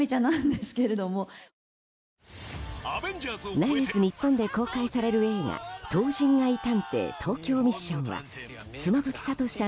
来月日本で公開される映画「唐人街探偵東京ＭＩＳＳＩＯＮ」は妻夫木聡さん